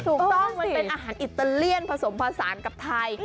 มันเป็นอาหารอิตาเลียนผสมผสานกับไทย